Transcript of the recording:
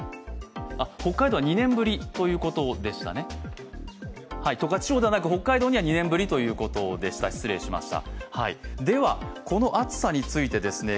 北海道は２年ぶりということでしたね、十勝地方ではなく北海道で２年ぶりということでした、失礼しました。